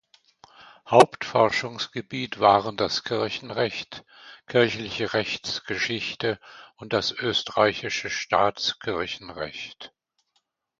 Hauptforschungsgebiet waren das Kirchenrecht, kirchliche Rechtsgeschichte und das österreichische Staatskirchenrecht.